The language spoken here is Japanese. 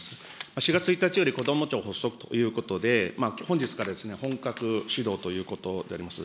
４月１日よりこども庁発足ということで、本日から本格始動ということであります。